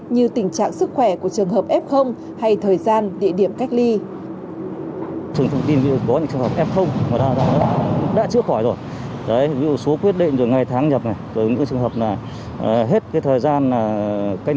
như tình trạng sức khỏe của trường hợp f hay thời gian